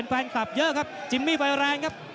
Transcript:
แฟนคลับเยอะครับจิมมี่ไฟแรงครับ